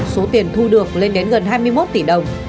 số tiền thu được lên đến gần hai mươi một tỷ đồng